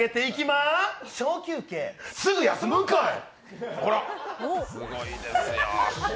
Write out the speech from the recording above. すごいですよ。